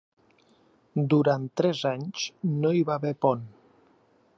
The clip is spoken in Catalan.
Durant tres anys no hi va haver pont.